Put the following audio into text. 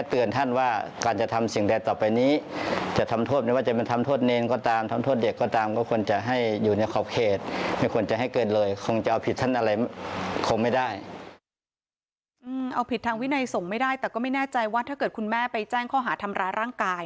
เอาผิดทางวินัยส่งไม่ได้แต่ก็ไม่แน่ใจว่าถ้าเกิดคุณแม่ไปแจ้งข้อหาทำร้ายร่างกาย